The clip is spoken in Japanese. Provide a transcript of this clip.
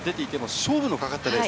勝負のかかったレース。